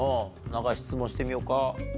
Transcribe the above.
なんか質問してみようか。